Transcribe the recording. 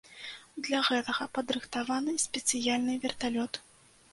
Для гэтага падрыхтаваны спецыяльны верталёт.